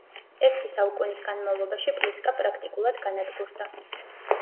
ერთი საუკუნის განმავლობაში პლისკა პრაქტიკულად განადგურდა.